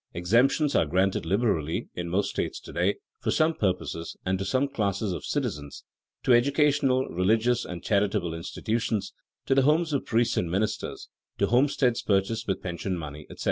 Exemptions are granted liberally in most states to day for some purposes and to some classes of citizens; to educational, religious, and charitable institutions; to the homes of priests and ministers; to homesteads purchased with pension money, etc.